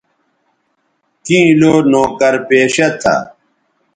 کیں لو نوکر پیشہ تھا